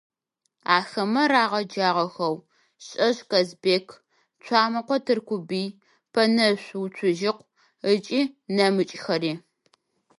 Ахэмэ рагъэджагъэхэу ЩэшӀэ Казбек, Цуамыкъо Тыркубый, Пэнэшъу Уцужьыкъу ыкӏи нэмыкӏхэри.